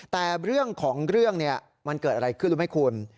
แต่เรื่องของเรื่องมันเกิดอะไรขึ้นรู้ไหมคุณ